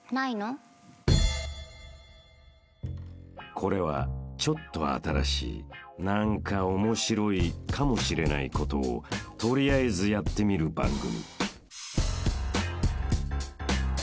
［これはちょっと新しい何かオモシロいかもしれないことを取りあえずやってみる番組］